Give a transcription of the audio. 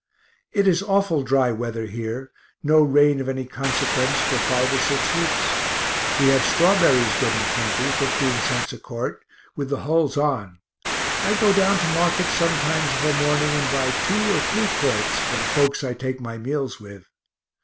It is awful dry weather here, no rain of any consequence for five or six weeks. We have strawberries good and plenty, 15 cents a quart, with the hulls on I go down to market sometimes of a morning and buy two or three quarts, for the folks I take my meals with.